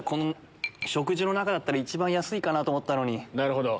食事の中だったら一番安いかなと思ったのに。